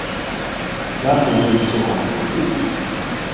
That wasn't so hard, was it?